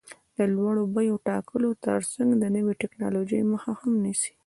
د لوړو بیو ټاکلو ترڅنګ د نوې ټکنالوژۍ مخه هم نیسي.